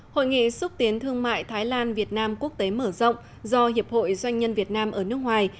hội nghị xúc tiến thương mại thái lan việt nam quốc tế mở rộng do hiệp hội doanh nhân việt nam ở nước ngoài